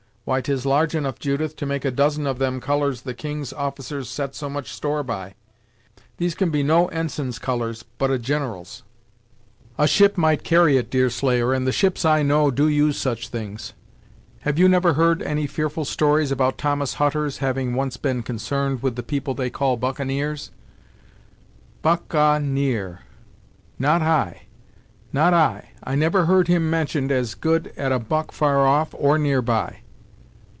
Why 'tis large enough, Judith, to make a dozen of them colours the King's officers set so much store by. These can be no ensign's colours, but a gin'ral's!" "A ship might carry it, Deerslayer, and ships I know do use such things. Have you never heard any fearful stories about Thomas Hutter's having once been concerned with the people they call buccaneers?" "Buck ah near! Not I not I I never heard him mentioned as good at a buck far off, or near by.